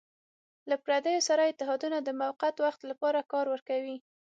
له پردیو سره اتحادونه د موقت وخت لپاره کار ورکوي.